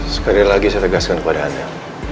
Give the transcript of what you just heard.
sekali lagi saya tegaskan kepada anda